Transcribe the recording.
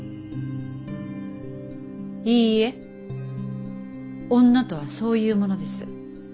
いいえ女とはそういうものです。